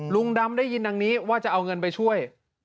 ลุงดำได้ยินดังนี้ว่าจะเอาเงินไปช่วย